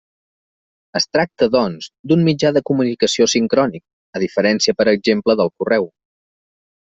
Es tracta, doncs, d'un mitjà de comunicació sincrònic, a diferència, per exemple, del correu.